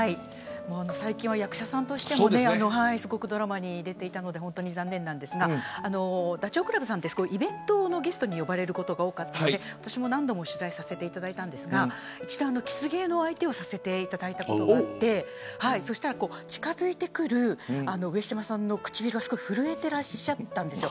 最近は役者さんとしてもすごくドラマに出ていたので本当に残念なんですがダチョウ倶楽部さんはイベントのゲストに呼ばれることが多かったので私も何度も取材させていただいたんですが一度、キス芸のお相手をさせていただいたことがあって近づいてくる上島さんの唇が震えていらっしゃったんです。